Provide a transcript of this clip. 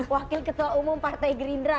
wakil ketua umum partai gerindra